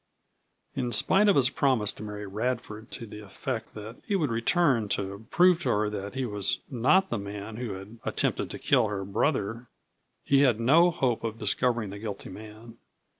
In spite of his promise to Mary Radford to the effect that he would return to prove to her that he was not the man who had attempted to kill her brother he had no hope of discovering the guilty man.